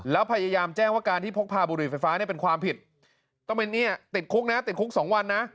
แล้วพยายามแจ้งว่าการที่พกพาบุหรี่ไฟฟ้าเนี่ยเป็นความผิดต้องเป็นเนี่ยติดคุกนะติดคุก๒วันนะ